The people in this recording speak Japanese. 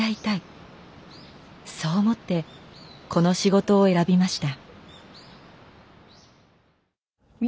そう思ってこの仕事を選びました。